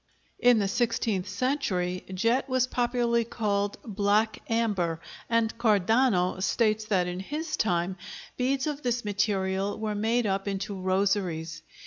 In the sixteenth century jet was popularly called "black amber," and Cardano states that in his time beads of this material were made up into rosaries.